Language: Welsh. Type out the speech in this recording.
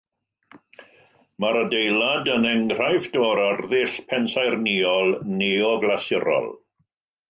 Mae'r adeilad yn enghraifft o'r arddull pensaernïol neoglasurol.